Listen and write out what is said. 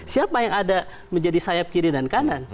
siapa yang ada menjadi sayap kiri dan kanan